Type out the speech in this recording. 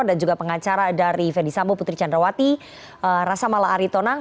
dan juga pengacara dari fendi sambo putri candrawati rassamala aritonang